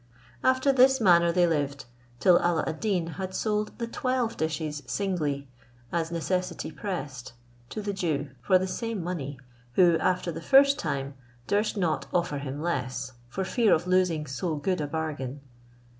After this manner they lived, till Alla ad Deen had sold the twelve dishes singly, as necessity pressed, to the Jew, for the same money; who, after the first time, durst not offer him less, for fear of losing so good a bargain.